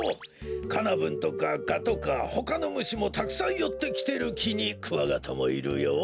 カナブンとかガとかほかのむしもたくさんよってきてるきにクワガタもいるよ。